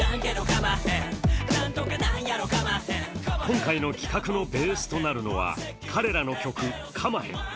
今回の企画のベースとなるのは彼らの曲「かまへん」。